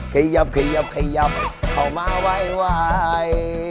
ขยับขยับขยับเข้ามาไหวไหว